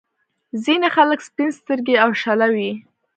ځينې خلک سپين سترګي او شله وي.